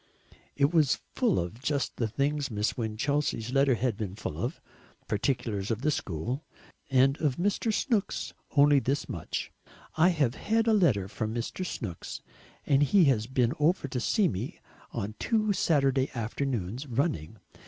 It was full of just the things Miss Winchelsea's letter had been full of, particulars of the school. And of Mr. Snooks, only this much: "I have had a letter from Mr. Snooks, and he has been over to see me on two Saturday afternoons running.